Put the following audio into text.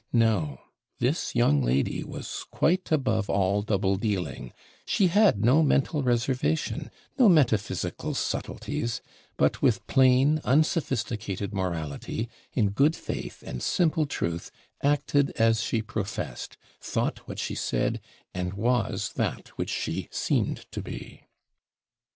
No; this young lady was quite above all double dealing; she had no mental reservation no metaphysical subtleties but, with plain, unsophisticated morality, in good faith and simple truth, acted as she professed, thought what she said, and was that which she seemed to be.